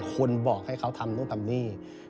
คนบอกให้เขาทำตรงนี้